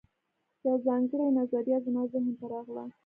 یوه ځانګړې نظریه زما ذهن ته راغله